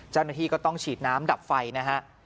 เจ้าหน้าที่ก็ต้องฉีดน้ำดับไฟนะฮะ